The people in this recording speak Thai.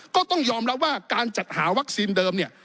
ก็ต้องยอมรับว่าการจัดหาวัคซีนเดิมเนี่ย